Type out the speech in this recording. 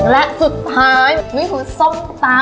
และสุดท้ายนี่คือส้มตำ